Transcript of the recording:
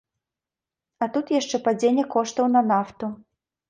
А тут яшчэ падзенне коштаў на нафту.